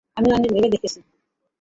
আমি অনেক ভেবে দেখেছি।